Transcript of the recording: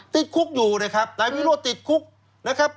ติดคุกอยู่นะครับนายวิโรศน์ติดคุก